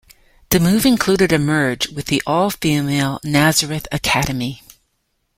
The move included a merge with the all-female Nazareth Academy.